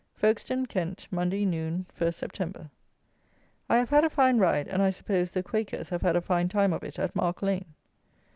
Folkestone (Kent), Monday (Noon), 1 Sept. I have had a fine ride, and, I suppose, the Quakers have had a fine time of it at Mark Lane.